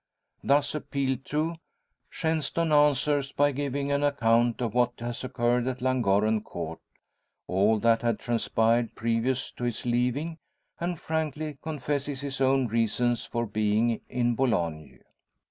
Thus appealed to, Shenstone answers by giving an account of what has occurred at Llangorren Court all that had transpired previous to his leaving; and frankly confesses his own reasons for being in Boulogne.